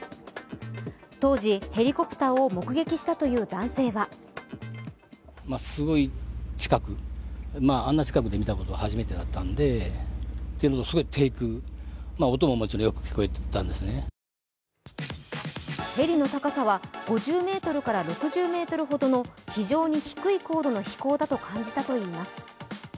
当時、ヘリコプターを目撃したという男性はヘリの高さは５０ｍから６０ｍほどの非常に低い高度の飛行だと感じたといいます。